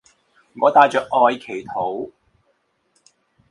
我帶著愛祈禱